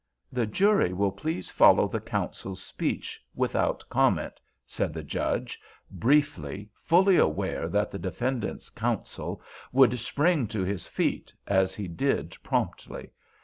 "The jury will please follow the counsel's speech, without comment," said the Judge, briefly, fully aware that the defendant's counsel would spring to his feet, as he did promptly.